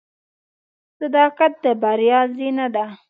• صداقت د بریا زینه ده.